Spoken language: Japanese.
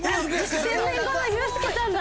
１０００年後のユースケさんだ！